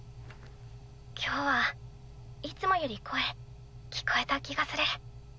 今日はいつもより声聞こえた気がする。